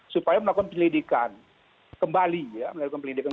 supaya melakukan penyelidikan